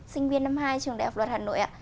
sinh viên năm hai trường đại học luật hà nội ạ